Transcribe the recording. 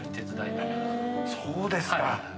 そうですか。